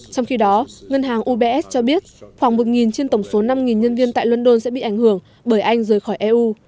trong khi đó ngân hàng ubs cho biết khoảng một trên tổng số năm nhân viên tại london sẽ bị ảnh hưởng bởi anh rời khỏi eu